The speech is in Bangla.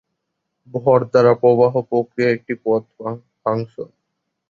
ভর দ্বারা প্রবাহ প্রক্রিয়া একটি পথ ফাংশন।